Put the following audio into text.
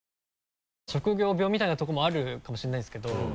職業病みたいなとこもあるかもしれないんですけど。